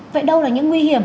vậy đâu là những nguy hiểm